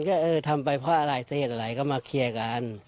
ก็เออทำไปเพราะอะไรสาเหตุอะไรก็มาเคลียร์กัน